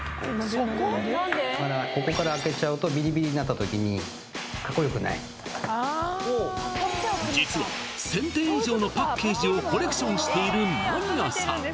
ここから開けちゃうとビリビリになった時にかっこよくない実は１０００点以上のパッケージをコレクションしているマニアさん